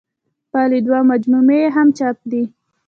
خپلې دوه مجموعې يې هم چاپ دي